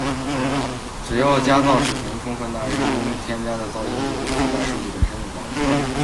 只要加噪水平充分大，人工添加的噪声就会覆盖数据本身的噪声